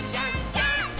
ジャンプ！！